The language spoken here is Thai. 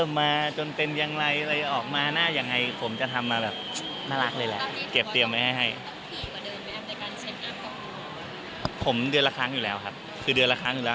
ผมเดือนละครั้งอยู่แล้วครับคือเดือนละครั้งอยู่แล้ว